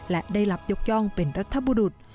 และได้รับยกย่องเป็นรัฐบุรุษ